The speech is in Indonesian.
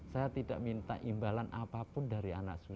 saya tidak minta imbalan apapun dari anak cucu saya